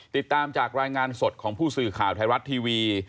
ติดตามจากรายงานสดของผู้สื่อข่าวไทยรัฐทีวี